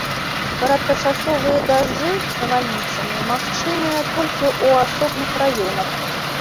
Кароткачасовыя дажджы з навальніцамі магчымыя толькі ў асобных раёнах.